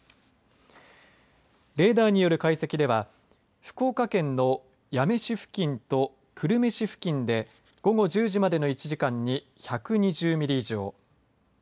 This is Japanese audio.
レーダーによる解析では福岡県の八女市付近と久留米市付近で午後１０時までの１時間に１２０ミリ以上。